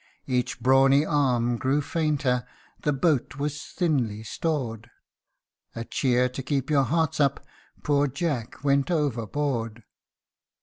219 Each brawny arm grew fainter, The boat was thinly stored : A cheer to keep your hearts up Poor Jack went overboard